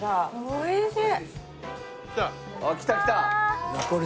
おいしい。